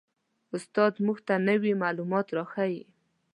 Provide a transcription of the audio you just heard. استاد موږ ته نوي معلومات را ښیي